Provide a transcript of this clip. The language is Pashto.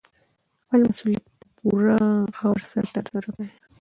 خپل مسوولیت په پوره غور سره ترسره کړئ.